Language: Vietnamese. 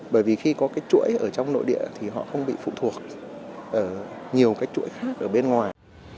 bởi vì khi có cái chuỗi ở trong nội địa thì họ không bị phụ thuộc ở nhiều cái chuỗi khác ở bên ngoài